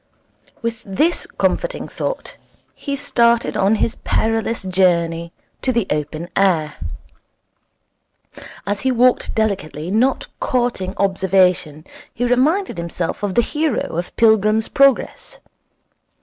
With this comforting thought, he started on his perilous journey to the open air. As he walked delicately, not courting observation, he reminded himself of the hero of 'Pilgrim's Progress'.